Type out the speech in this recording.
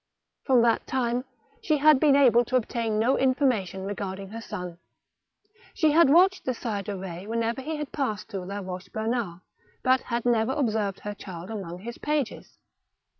From that time she had been able to obtain no information regarding her son. She had watched the Sire de Ketz whenever he had passed through La Boche Bernard, but had never observed her child among his pages.